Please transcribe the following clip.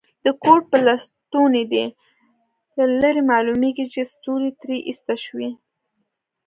د کوټ پر لستوڼي دي له لرې معلومیږي چي ستوري ترې ایسته شوي.